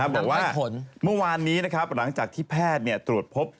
บอกว่าเมื่อวานนี้หลังจากที่แพทย์ตรวจพบ